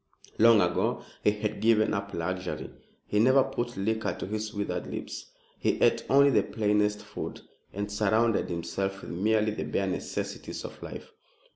Long ago he had given up luxury. He never put liquor to his withered lips, he ate only the plainest food, and surrounded himself with merely the bare necessities of life.